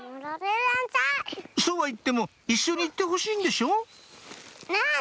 そうは言っても一緒に行ってほしいんでしょ？